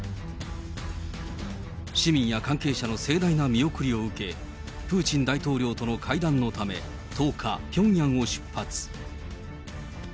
市民や関係者の盛大な見送りを受け、プーチン大統領との会談のため、１０日、ピョンヤンを出発。